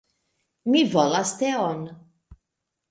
Mi volas teon!